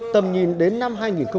tầm nhìn đến năm hai nghìn năm mươi